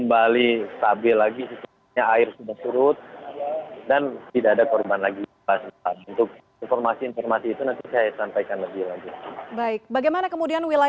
bagaimana kemudian wilayah cilandak